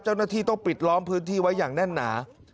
เจ้าหน้าที่ต้องปิดล้อมพื้นที่ไว้อย่างแน่นหนา